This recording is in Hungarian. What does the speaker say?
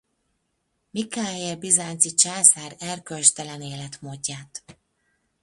Mikhaél bizánci császár erkölcstelen életmódját.